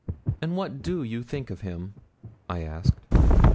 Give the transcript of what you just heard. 'And what do you think of him?' I asked.